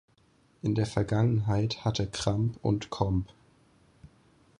In der Vergangenheit hatte Kramp und Comp.